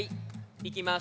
いきます。